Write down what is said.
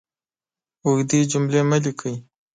اوږدې جملې مه لیکئ!